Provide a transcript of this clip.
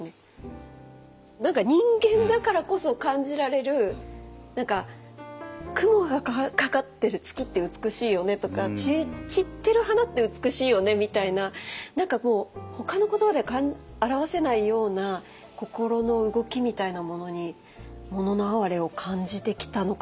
何か人間だからこそ感じられる雲がかかってる月って美しいよねとか散ってる花って美しいよねみたいな何かほかの言葉では表せないような心の動きみたいなものに「もののあはれ」を感じてきたのかな？